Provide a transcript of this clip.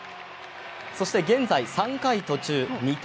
そして現在３回途中２−６。